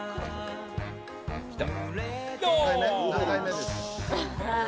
きた。